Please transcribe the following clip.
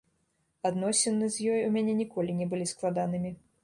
Адносіны з ёй у мяне ніколі не былі складанымі.